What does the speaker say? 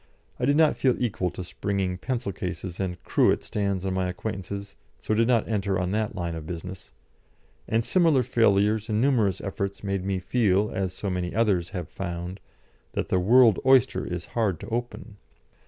I did not feel equal to springing pencil cases and cruet stands on my acquaintances, so did not enter on that line of business, and similar failures in numerous efforts made me feel, as so many others have found, that the world oyster is hard to open.